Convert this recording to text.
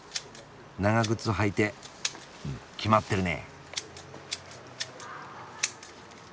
長靴履いてうんキマってるね。